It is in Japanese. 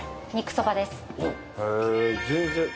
へえ全然。